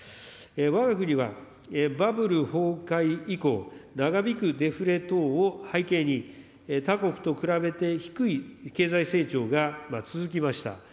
わが国はバブル崩壊以降、長引くデフレ等を背景に、他国と比べて低い経済成長が続きました。